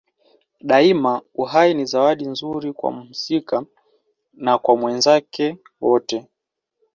Daima uhai ni zawadi nzuri kwa mhusika na kwa wenzake wote.